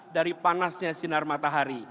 dari panasnya sinar matahari